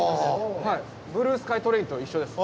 ブルースカイトレインと一緒です。